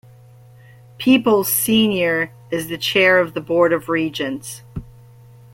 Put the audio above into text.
Peeples, Senior is the chair of the Board of Regents.